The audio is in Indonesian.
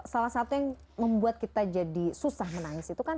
salah satu yang membuat kita jadi susah menangis itu kan